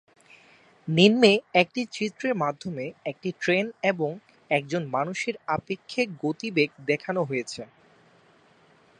নিম্নে একটি চিত্রের মাধ্যমে একটি ট্রেন এবং একজন মানুষের আপেক্ষিক গতিবেগ দেখানো হয়েছে।